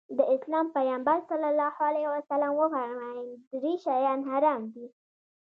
د اسلام پيغمبر ص وفرمايل درې شيان حرام دي.